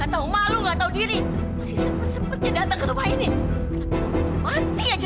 kalau bunuh saya juga ingin menembus sebuah kesalahan saya